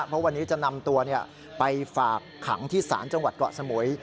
เพราะวันนี้จะนำตัวไปฝากขังที่ศาลจังหวัดเกาะสมุย